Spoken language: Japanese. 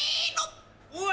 うわ！